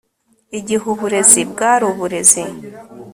igihe uburezi bwari uburezi